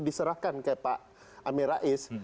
diserahkan ke pak amin rais